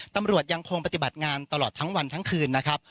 ตำรวจยังคงปฏิบัติงานตลอดทั้งวันทั้งคืนนะครับ